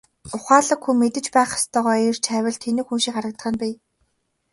Ухаалаг хүн мэдэж байх ёстойгоо эрж хайвал тэнэг хүн шиг харагдах нь бий.